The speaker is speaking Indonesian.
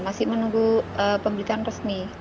masih menunggu pemberitaan resmi